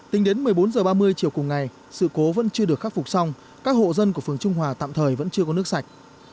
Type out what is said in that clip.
tính đến một mươi bốn h ba mươi chiều cùng ngày sự cố vẫn chưa được khắc phục xong các hộ dân của phường trung hòa tạm thời vẫn chưa có nước sạch